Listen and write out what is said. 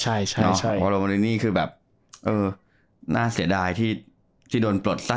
ใช่ใช่อ่าปาโลมอร์ดินี่คือแบบเออน่าเสียดายที่ที่โดนปลดซะ